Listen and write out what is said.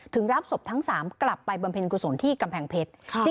รับศพทั้ง๓กลับไปบำเพ็ญกุศลที่กำแพงเพชร